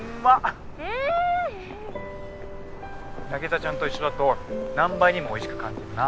凪沙ちゃんと一緒だと何倍にも美味しく感じるな。